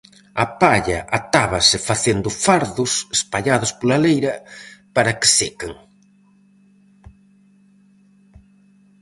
A palla atábase facendo "fardos" espallados pola leira para que sequen.